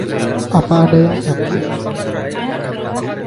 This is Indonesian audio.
Apa ada yang sakit?